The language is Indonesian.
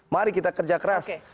mari kita kerja keras